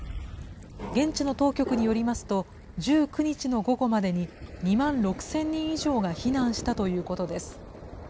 現地の当局によりますと、１９日の午後までに２万６０００人以上が避難したということです。